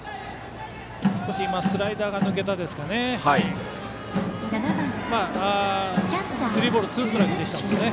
少し今スライダーが抜けましたかね。